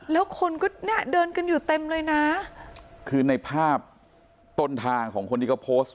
แล้วคนก็เนี่ยเดินกันอยู่เต็มเลยนะคือในภาพต้นทางของคนที่เขาโพสต์